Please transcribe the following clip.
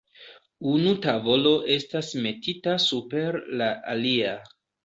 Unu tavolo estas metita super la alia.